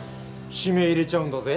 指名入れちゃうんだＺＥ？